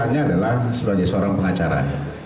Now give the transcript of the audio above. satunya adalah seorang pengacara